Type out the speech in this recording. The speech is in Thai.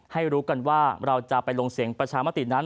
รู้กันว่าเราจะไปลงเสียงประชามตินั้น